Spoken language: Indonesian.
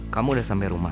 kamu udah sampe rumah